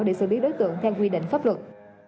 để xử lý đối tượng theo quy định pháp luật